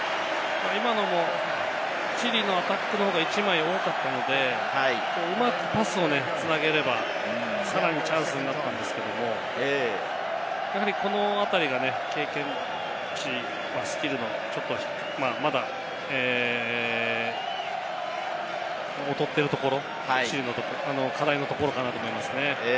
今のもチリのアタックの方が１枚多かったので、うまくパスを繋げれば、さらにチャンスになると思うんですけれども、やはり、このあたりが経験値、スキルの、ちょっとまだ劣っているところ、チームの課題のところかなと思います。